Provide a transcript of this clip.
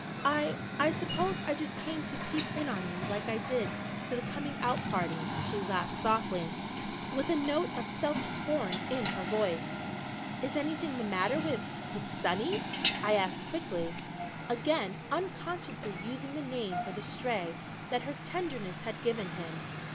"I I suppose I just came to peep in on you like I did to the coming out party." She laughed softly, with a note of self scorn in her voice. "Is anything the matter with with Sonny?" I asked quickly, again unconsciously using the name for the Stray that her tenderness had given him.